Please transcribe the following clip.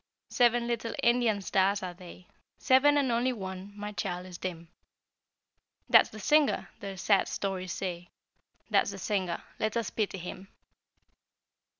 Seven little Indian stars are they, Seven, and only one, my child, is dim. That's the Singer, their sad stories say; That's the Singer let us pity him.